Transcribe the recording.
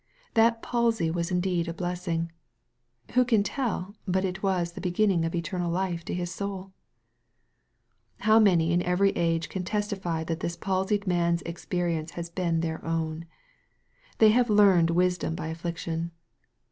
That palsy was indeed a blessing. Who can tell but it was the be ginning of eternal life to his soul ? How many in every age can testify that this palsied man's experience has been their own ! They have learned wisdom by affliction.